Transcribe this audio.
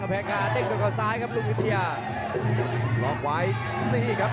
ในช่วงปลายยกที่๓ที่ผ่านมาต้องบอกว่ารุ่งวิทยาเล่งแรงจริงครับ